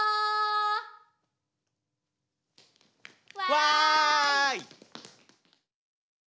わい！